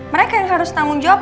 mereka yang harus tanggung jawab